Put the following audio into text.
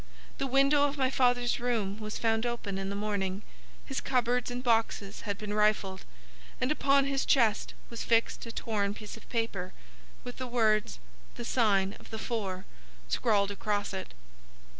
The window of my father's room was found open in the morning, his cupboards and boxes had been rifled, and upon his chest was fixed a torn piece of paper, with the words 'The sign of the four' scrawled across it.